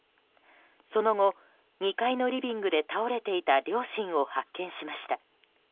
その後、２階のリビングで倒れていた両親を発見しました。